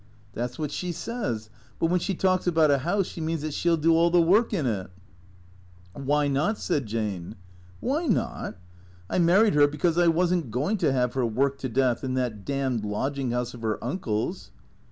" That 's what she says. But when she talks about a house she means that she '11 do all the work in it," " Wliy not ?" said Jane. "Why not? I married her because I wasn't going to have her worked to death in that damned lodging house of her uncle's."